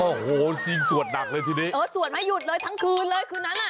โอ้โหจริงสวดหนักเลยทีนี้เออสวดไม่หยุดเลยทั้งคืนเลยคืนนั้นอ่ะ